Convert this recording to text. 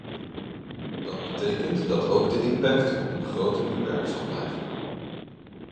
Dat betekent dat ook de impact op de begroting beperkt zal blijven.